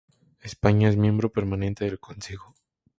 España es Miembro Permanente del Consejo.